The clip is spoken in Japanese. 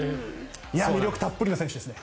魅力たっぷりの選手ですね。